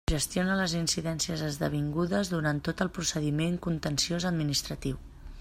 Gestiona les incidències esdevingudes durant tot el procediment contenciós administratiu.